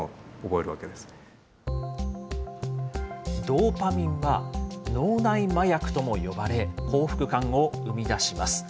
ドーパミンは、脳内麻薬とも呼ばれ、幸福感を生み出します。